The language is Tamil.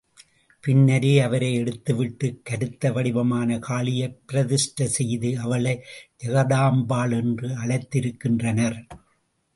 பின்னரே அவரை எடுத்துவிட்டு கருத்த வடிவமான காளியைப் பிரதிஷ்டை செய்து, அவளை ஜகதாம்பாள் என்று அழைத்திருக்கின்றனர்.